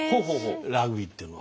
ラグビーっていうのは。